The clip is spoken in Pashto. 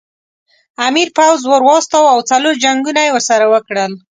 امیر پوځ ور واستاوه او څلور جنګونه یې ورسره وکړل.